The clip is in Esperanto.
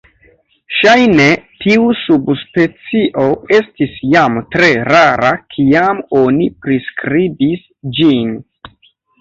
Ŝajne tiu subspecio estis jam tre rara kiam oni priskribis ĝin.